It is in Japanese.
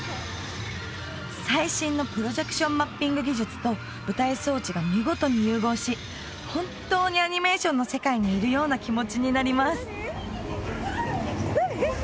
最新のプロジェクションマッピング技術と舞台装置が見事に融合し本当にアニメーションの世界にいるような気持ちになります何？